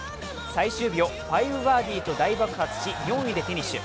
最終日を５バーディーと大爆発し、４位でフィニッシュ。